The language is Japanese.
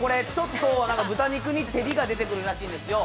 豚肉に照りが出てくるらしいんですよ。